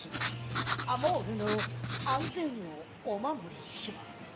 あモールのあんぜんをおまもりします。